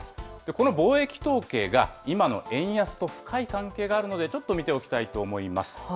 この貿易統計が今の円安と深い関係があるので、ちょっと見ておきたいと思います。